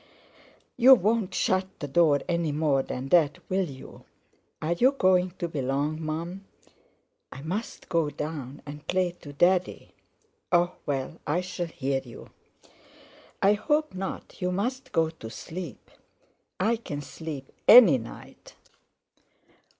"You won't shut the door any more than that, will you? Are you going to be long, Mum?" "I must go down and play to Daddy." "Oh! well, I shall hear you." "I hope not; you must go to sleep." "I can sleep any night."